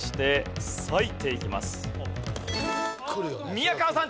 宮川さん